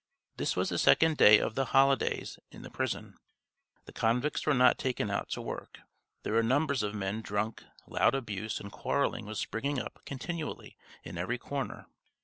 This was the second day of the "holidays" in the prison; the convicts were not taken out to work, there were numbers of men drunk, loud abuse and quarrelling was springing up continually in every corner.